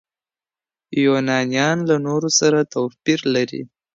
يونانيان له نورو سره توپير لري.